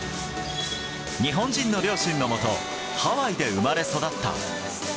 日本人の両親のもとハワイで生まれ育った。